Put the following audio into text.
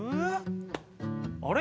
あれ？